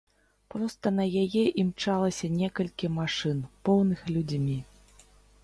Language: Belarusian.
Проста на яе імчалася некалькі машын, поўных людзьмі.